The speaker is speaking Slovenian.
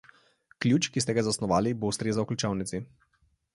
Ključ, ki ste ga zasnovali, bo ustrezal ključavnici.